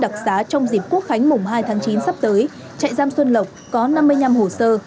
chạy giam xuân lộc có năm mươi năm hồ sơ